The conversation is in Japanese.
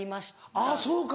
あぁそうか。